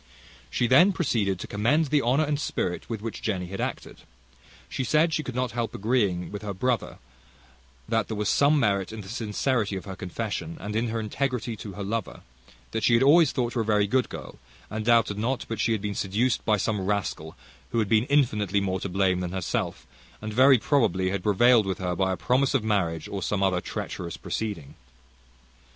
She then proceeded to commend the honour and spirit with which Jenny had acted. She said, she could not help agreeing with her brother, that there was some merit in the sincerity of her confession, and in her integrity to her lover: that she had always thought her a very good girl, and doubted not but she had been seduced by some rascal, who had been infinitely more to blame than herself, and very probably had prevailed with her by a promise of marriage, or some other treacherous proceeding.